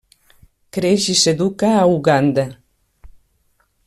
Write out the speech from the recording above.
Creix i s'educa a Uganda.